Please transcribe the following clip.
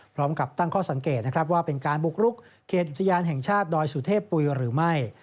พร้อมกับตั้งข้อสังเกตนะครับว่าเป็นการบุกรุกเขตอุทยานแห่งชาติดอยสุเทพปุ๋ยหรือไม่